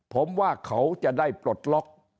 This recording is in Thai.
ผมว่าเขาจะได้ปลดล็อก